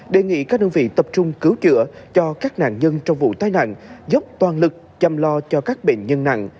đề nghị các đơn vị tập trung cứu chữa cho các nạn nhân trong vụ tai nạn dốc toàn lực chăm lo cho các bệnh nhân nặng